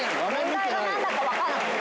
問題が何だか分かんない。